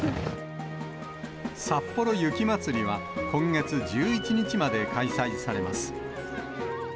さっぽろ雪まつりは、今月１１日まで開催されます。